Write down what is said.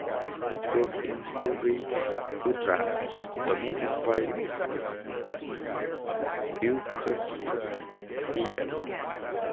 It grows in shrubby woodland dominated by "Eucalyptus sieberi".